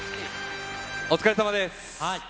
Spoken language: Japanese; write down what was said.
お疲れさまです。